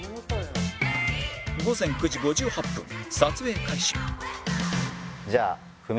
午前９時５８分撮影開始